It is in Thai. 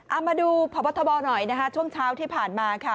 เอามาดูพบทบหน่อยนะคะช่วงเช้าที่ผ่านมาค่ะ